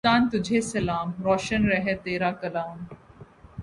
پاکستان تجھے سلام۔ روشن رہے تیرا کلام